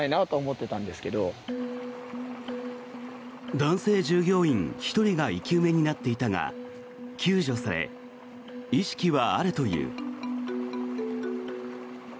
男性従業員１人が生き埋めになっていたが救助され、意識はあるという。